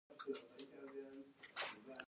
له هېواده په لویه کچه د اشرافو وتلو لړۍ پیل شوې وه.